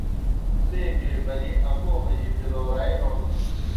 بیکے بلِی اکو مجی بِلَورائے نوٹنَن۔